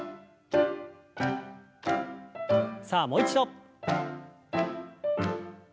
さあもう一度。